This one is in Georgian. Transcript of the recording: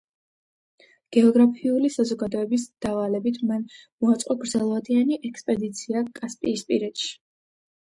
გეოგრაფიული საზოგადოების დავალებით მან მოაწყო გრძელვადიანი ექსპედიცია კასპიისპირეთში.